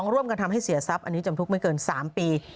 ร่วมกันทำให้เสียทรัพย์อันนี้จำคุกไม่เกิน๓ปี